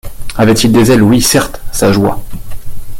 avait-il des ailes oui certes, sa joie.